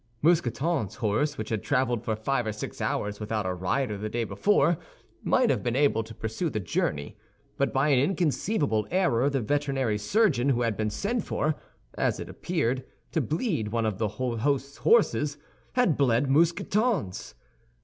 Mousqueton's horse which had traveled for five or six hours without a rider the day before, might have been able to pursue the journey; but by an inconceivable error the veterinary surgeon, who had been sent for, as it appeared, to bleed one of the host's horses, had bled Mousqueton's.